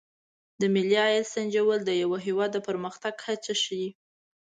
د ملي عاید سنجول د یو هېواد د پرمختګ کچه ښيي.